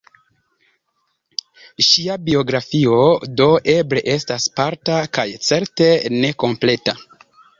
Ŝia biografio, do, eble estas parta kaj certe nekompleta.